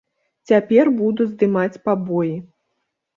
Цяпер буду здымаць пабоі.